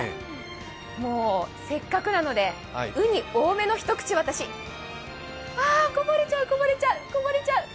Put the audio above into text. もうせっかくなのでうに多めの一口、私あ、こぼれちゃう、こぼれちゃう。